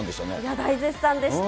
大絶賛でした。